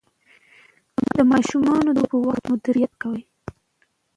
د ماشومانو د لوبو وخت مدیریت کوي.